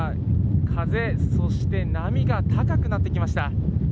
風そして、波が高くなってきました。